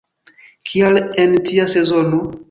Kial en tia sezono?